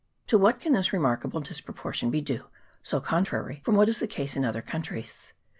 To what can this remarkable disproportion be due so con trary from what is the case in other countries?